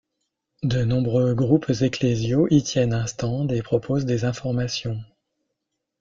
De nombreux groupes ecclésiaux y tiennent un stand et proposent des informations.